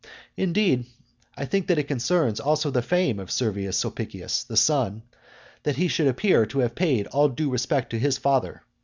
Indeed, I think that it concerns also the fame of Servius Sulpicius the son, that he should appear to have paid all due respect to his father.